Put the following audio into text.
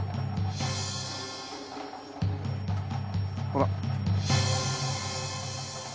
ほら。